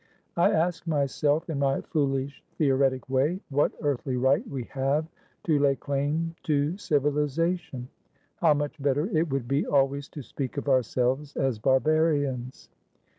I ask myself, in my foolish theoretic way, what earthly right we have to lay claim to civilisation. How much better it would be always to speak of ourselves as barbarians.